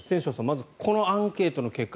まずこのアンケートの結果